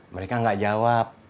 mereka gak jawab